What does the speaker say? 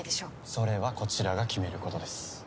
それはこちらが決めることです。